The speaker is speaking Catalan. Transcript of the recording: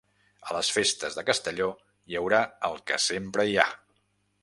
A les festes de Castelló hi haurà el que sempre hi ha.